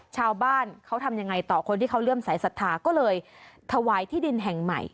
ชาวบ้านเขาทำยังไงต่อคนที่เขาเริ่มสายศรัทธาก็เลยถวายที่ดินแห่งใหม่